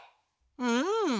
うん！